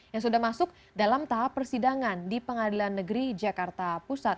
yang sudah masuk dalam tahap persidangan di pengadilan negeri jakarta pusat